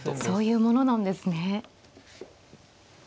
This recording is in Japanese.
そういうものなんですね。